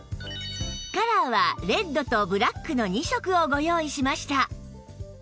カラーはレッドとブラックの２色をご用意しました